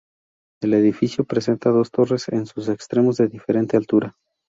El edificio presenta dos torres en sus extremos de diferente altura.